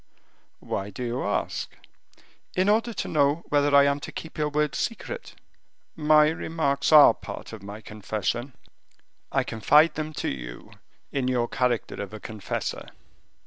"Why do you ask?" "In order to know whether I am to keep your words secret." "My remarks are part of my confession; I confide them to you in your character of a confessor."